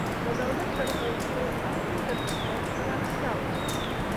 د دولت تر کنټرول لاندې د صنعت پراختیا وه